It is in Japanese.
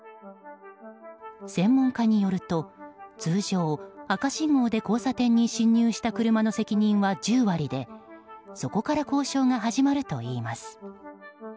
専門家によると、通常赤信号で交差点に進入した車の責任は１０割でそこから交渉が始まるといいます。